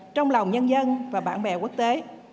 trong lòng nhân dân và bạn bè quốc tế